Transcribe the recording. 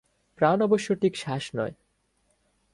প্রাণ অবশ্য ঠিক শ্বাস নয়।